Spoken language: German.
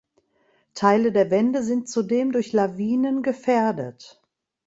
Teile der Wände sind zudem durch Lawinen gefährdet.